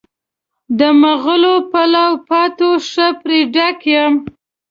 د مغلو پلاو پاتو ښه پرې ډک یم.